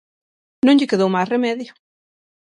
Non lle quedou máis remedio.